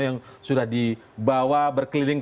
yang sudah dibawa berkeliling